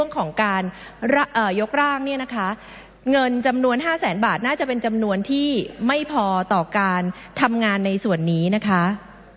ก็เป็นส่วนที่ไม่พอต่อการทำงานในส่วนนี้นะคะ